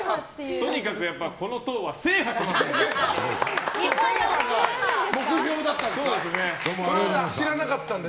とにかくこの党は制覇しますので。